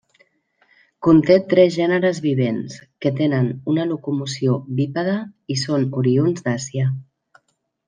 Conté tres gèneres vivents, que tenen una locomoció bípeda i són oriünds d'Àsia.